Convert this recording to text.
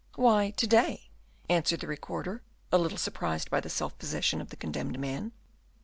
"Why, to day," answered the Recorder, a little surprised by the self possession of the condemned man.